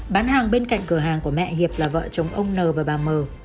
bán hàng bên cạnh cửa hàng của mẹ hiệp là vợ chồng ông n và bà mờ